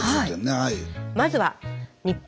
はい。